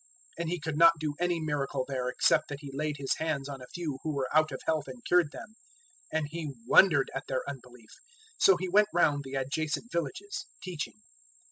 006:005 And He could not do any miracle there, except that He laid His hands on a few who were out of health and cured them; and 006:006 He wondered at their unbelief. So He went round the adjacent villages, teaching.